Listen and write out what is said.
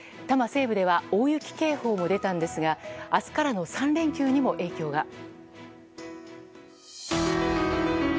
多摩西部では大雪警報も出たんですが明日からの３連休にも影響が。